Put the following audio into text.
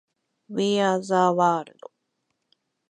We are the world